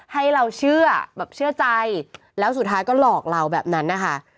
ให้เราเชื่อแบบเชื่อใจแล้วสุดท้ายก็หลอกเราแบบนั้นนะคะ